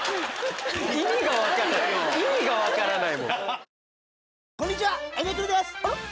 意味が分からない！